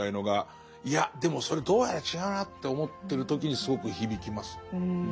いやでもそれどうやら違うなって思ってる時にすごく響きます。